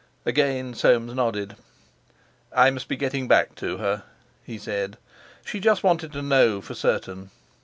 Again Soames nodded. "I must be getting back to her," he said; "she just wanted to know for certain.